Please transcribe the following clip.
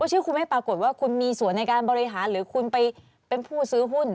หรือว่าคุณมีส่วนในการบริหารหรือคุณไปเป็นผู้ซื้อหุ้น